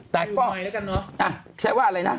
แต่ก็ใช้ว่าอะไรนะ